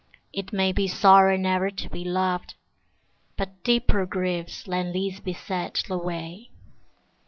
It may be sorrow never to be loved, But deeper griefs than these beset the way.